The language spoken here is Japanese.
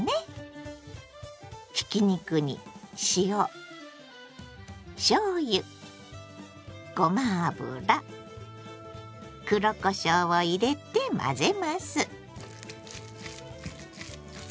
ひき肉に塩しょうゆごま油黒こしょうを入れて混ぜます。